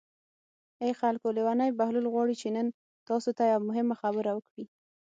ای خلکو لېونی بهلول غواړي چې نن تاسو ته یوه مهمه خبره وکړي.